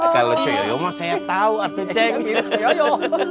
kalau coyoyo mah saya tau aku cek mirip coyoyo